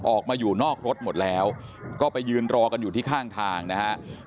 ออกมาอยู่นอกรถหมดแล้วก็ไปยืนรอกันอยู่ที่ข้างทางนะฮะ